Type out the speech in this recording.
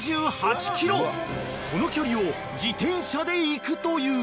［この距離を自転車で行くという］